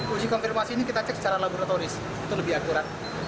uji konfirmasi ini kita cek secara laboratoris itu lebih akurat